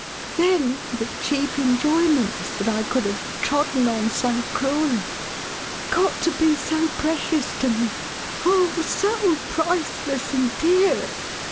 Then, the cheap enjoyments that I could have trodden on so cruelly, got to be so precious to me — Oh so priceless, and dear